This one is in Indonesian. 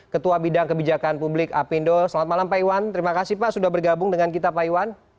ketua bidang kebijakan publik apindo selamat malam pak iwan terima kasih pak sudah bergabung dengan kita pak iwan